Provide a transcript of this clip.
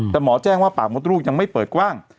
แต่หมอแจ้งว่าปากมดลูกยังไม่เปิดกว้าง